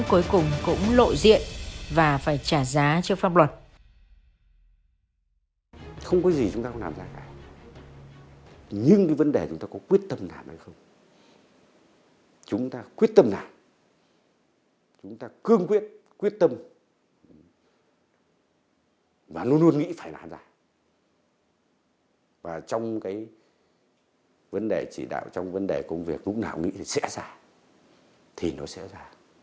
vụ án cuối cùng cũng lội diện và phải trả giá trước pháp luật